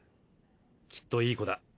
きっといい子だ。